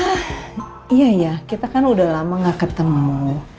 eh iya iya kita kan udah lama nggak ketemu